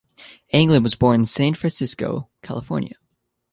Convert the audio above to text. Anglim was born in San Francisco, California.